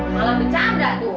malah bencanda tuh